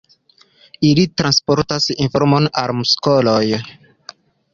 Ili transportas informon al muskoloj.